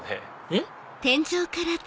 えっ？